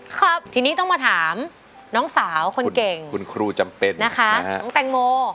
ครับทีนี้ต้องมาถามน้องสาวคนเก่งคุณครูจำเป็นนะคะน้องแตงโม